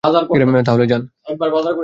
তাহলে, যান!